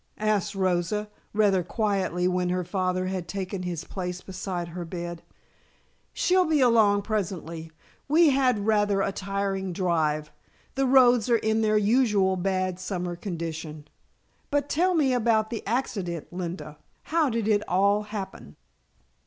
asked Rosa, rather quietly when her father had taken his place beside her bed. "She'll be along presently. We had rather a tiring drive the roads are in their usual bad summer condition. But tell me about the accident, Linda? How did it all happen?"